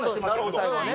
最後ね